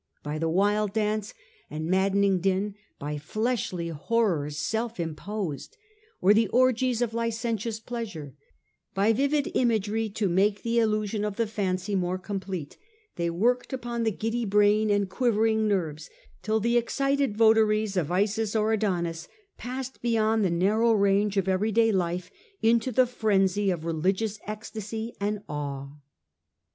By the wild dance and maddening din, by fleshly horrors self imposed, or the orgies of licentious pleasure, by vivid imagery to make the illusion of the fancy more complete, they worked upon the giddy brain and quivering nerves, till the excited votaries of Isis or Adonis passed beyond the narrow range of everyday life into the frenzy of religious ecstasy and awe.